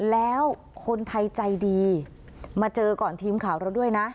แล้วคนไทยใจดีมาเจอก่อนทีมข่าวเราด้วยนะ